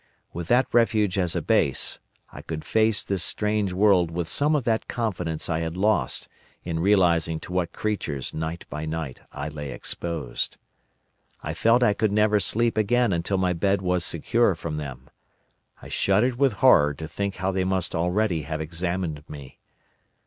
With that refuge as a base, I could face this strange world with some of that confidence I had lost in realising to what creatures night by night I lay exposed. I felt I could never sleep again until my bed was secure from them. I shuddered with horror to think how they must already have examined me.